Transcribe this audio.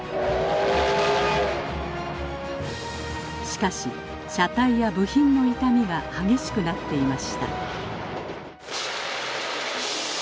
しかし車体や部品の傷みが激しくなっていました